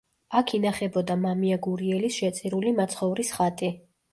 აქ ინახებოდა მამია გურიელის შეწირული მაცხოვრის ხატი.